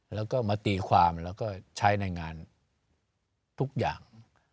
แล้วก็มาตีความแล้วก็ใช้ในงานทุกอย่าง